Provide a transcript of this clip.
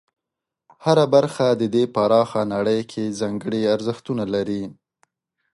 هره برخه د دې پراخه نړۍ کې ځانګړي ارزښتونه لري.